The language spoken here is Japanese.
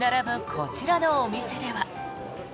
こちらのお店では。